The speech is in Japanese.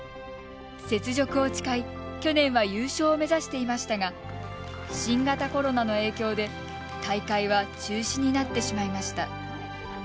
雪辱を誓い、去年は優勝を目指していましたが新型コロナの影響で大会は中止になってしまいました。